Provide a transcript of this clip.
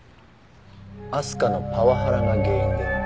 明日香のパワハラが原因でね。